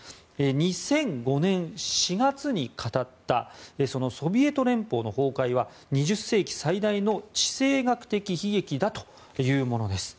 ２００５年４月に語ったソビエト連邦の崩壊は２０世紀最大の地政学的悲劇だというものです。